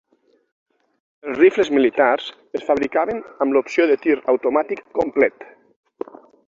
Els rifles militars es fabricaven amb l'opció de tir automàtic complet.